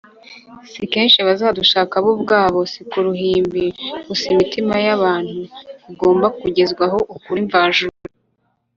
. Si kenshi bazadushaka bo ubwabo. Si ku ruhimbi gusa imitima y’abantu igomba kugezwaho ukuri mvajuru